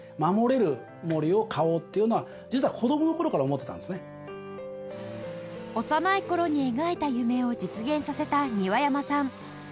庭山さんの幼い頃に描いた夢を実現させた庭山さん